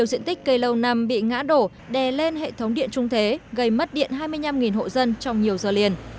cây lầu nằm bị ngã đổ đè lên hệ thống điện trung thế gây mất điện hai mươi năm hộ dân trong nhiều giờ liền